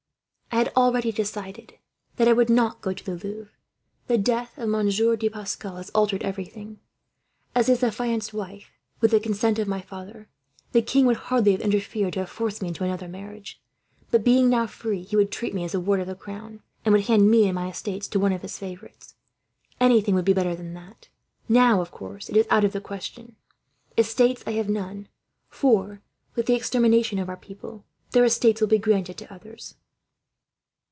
"I had already decided," she said quietly, "that I would not go to the Louvre. The death of Monsieur de Pascal has altered everything. As his affianced wife, with the consent of my father, the king would hardly have interfered to have forced me into another marriage; but, being now free, he would treat me as a ward of the crown, and would hand me and my estates to one of his favourites. Anything would be better than that. "Now, of course, it is out of the question. Estates I have none; for, with the extermination of our people, their estates will be granted to others."